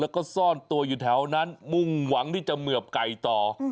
แล้วก็ซ่อนตัวอยู่แถวนั้นมุ่งหวังที่จะเหมือบไก่ต่อ